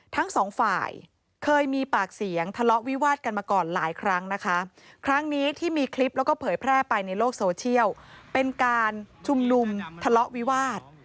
ทั้งสองฝ่ายเคยมีปากเสียงทะเลาะวิวาดกันมาก่อนหลายครั้งนะคะครั้งนี้ที่มีคลิปแล้วก็เผยแพร่ไปในโลกโซเชียลเป็นการชุมนุมทะเลาะวิวาส